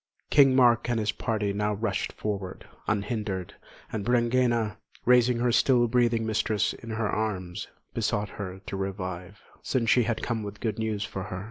King Mark and his party now rushed forward, unhindered; and Brangæna, raising her still breathing mistress in her arms, besought her to revive, since she had come with good news for her.